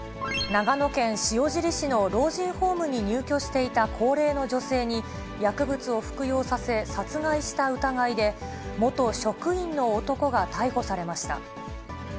長野県塩尻市の老人ホームに入居していた高齢の女性に、薬物を服用させ殺害した疑いで、元職員の男が逮捕されました。